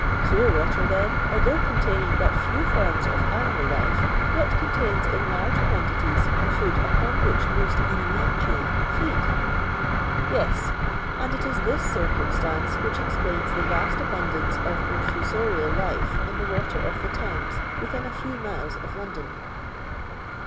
"Sewer water, then, although containing but few forms of animal life, yet contains, in hu^ quantities, the food upon which most animalculae feed}" " Tes ; and it is this circumstance which explains the vast abundance of infusorial life in the water of the Thames within a few miles of London."